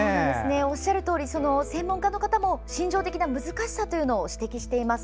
おっしゃるとおりその専門家の方も心情的な難しさを指摘しています。